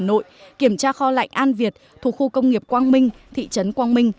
để kiểm tra kho lạnh an việt thuộc khu công nghiệp quang minh thị trấn quang minh